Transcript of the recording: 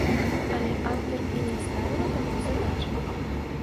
Але аўтар і не ставіла такой задачы.